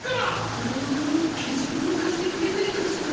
あの消しゴムかしてくれないかしら。